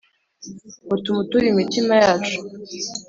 ngo tumuture imitima yacu